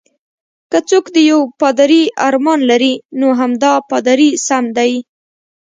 که څوک د یو پادري ارمان لري، نو همدا پادري سم دی.